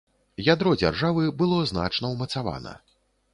Ядро дзяржавы было значна ўмацавана.